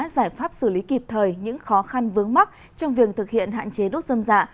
giải pháp xử lý kịp thời những khó khăn vướng mắt trong việc thực hiện hạn chế đốt dâm dạ